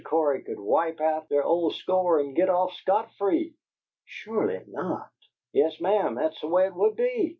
Cory could wipe out their old score and git off scot free." "Surely not!" "Yes, ma'am, that's the way it would be.